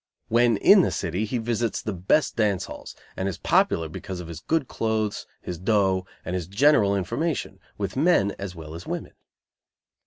When in the city he visits the best dance halls, and is popular because of his good clothes, his dough, and his general information, with men as well as women.